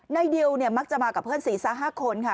ในดิลฟารั่นมักจะมากับเพื่อน๔๕คนค่ะ